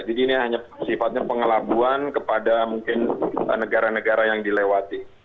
jadi ini hanya sifatnya pengelabuan kepada mungkin negara negara yang dilewati